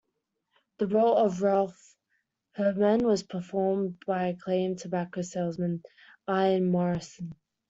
The role of Ralph Herdman was performed by acclaimed tobacco salesman, Ian Morrison.